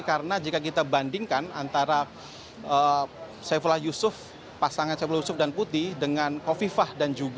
karena jika kita bandingkan antara saifullah yusuf pasangan saifullah yusuf dan putih dengan kofifah